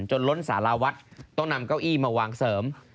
ล้นสาราวัดต้องนำเก้าอี้มาวางเสริม